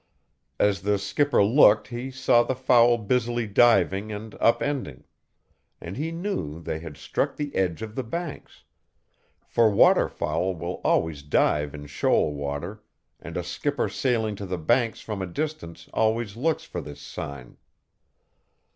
As the skipper looked he saw the fowl busily diving and "upending," and he knew they had struck the edge of the Banks; for water fowl will always dive in shoal water, and a skipper sailing to the Banks from a distance always looks for this sign.